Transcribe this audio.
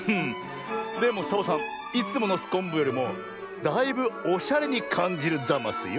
でもサボさんいつものすこんぶよりもだいぶおしゃれにかんじるざますよ。